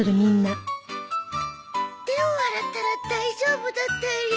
手を洗ったら大丈夫だったり。